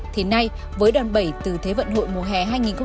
thì nay với đòn bẩy từ thế vận hội mùa hè hai nghìn hai mươi bốn